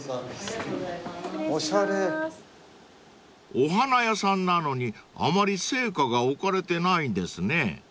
［お花屋さんなのにあまり生花が置かれてないんですね］